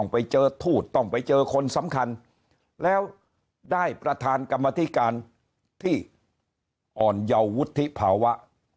ไปดูทูตต้องไปเจอคนสำคัญแล้วได้ประธานกรรมธิการที่อ่อนเยาวุฒิภาวะ